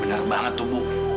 benar banget tuh bu